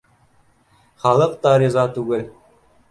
Халыҡ та риза түгел